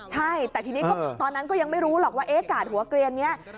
ใช่แต่ทีนี้ตอนนั้นก็ยังไม่รู้หรอกว่ากาดหัวเกลียนนี้